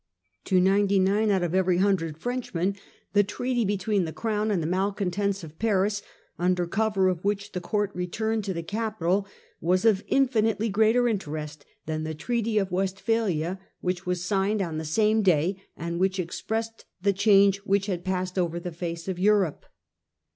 To ninety nine out of every hundred Frenchmen the treaty between the Crown and the malcontents of Paris, under cover of which the court returned to the capital, was of infinitely greater interest than the Treaty of West phalia, which was signed on the same day, and which expressed the change which had passed over the face of Europe.